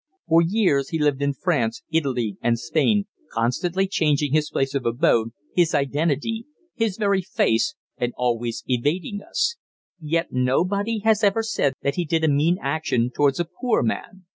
For years he lived in France, Italy and Spain, constantly changing his place of abode, his identity, his very face, and always evading us; yet nobody has ever said that he did a mean action towards a poor man.